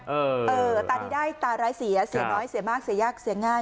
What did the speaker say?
เออเออตาดีได้ตาร้ายเสียเสียน้อยเสียมากเสียยากเสียง่าย